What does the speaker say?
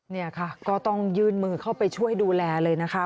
นี่ค่ะก็ต้องยื่นมือเข้าไปช่วยดูแลเลยนะคะ